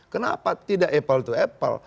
kenapa tidak apple to apple